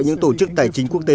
những tổ chức tài chính quốc tế